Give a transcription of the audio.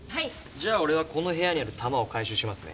じゃあ俺はこの部屋にある弾を回収しますね。